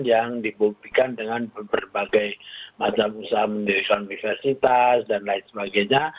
yang dibuktikan dengan berbagai macam usaha mendirikan universitas dan lain sebagainya